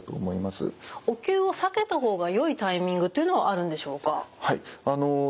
お灸を避けた方がよいタイミングというのはあるんでしょうか？